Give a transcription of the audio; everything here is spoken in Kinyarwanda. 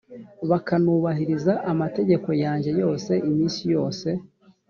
bakanubahiriza amategeko yanjye yose iminsi yose,